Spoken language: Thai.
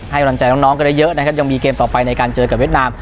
กำลังใจน้องกันได้เยอะนะครับยังมีเกมต่อไปในการเจอกับเวียดนาม